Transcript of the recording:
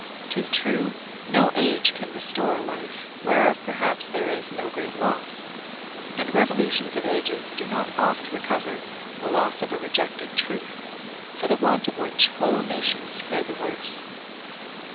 'Tis true, no age can restore a life, whereof perhaps there is no great loss; and revolutions of ages do not oft recover the loss of a rejected truth, for the want of which whole nations fare the worse.